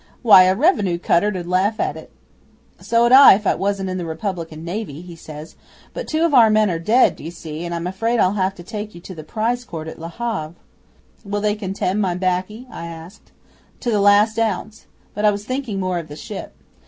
Why, a Revenue cutter 'ud laugh at it!" '"So'd I if I wasn't in the Republican Navy," he says. "But two of our men are dead, d'ye see, and I'm afraid I'll have to take you to the Prize Court at Le Havre." '"Will they condemn my 'baccy?" I asks. '"To the last ounce. But I was thinking more of the ship.